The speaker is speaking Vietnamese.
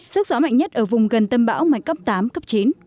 sức gió mạnh nhất ở vùng gần tâm bão mạnh cấp tám cấp chín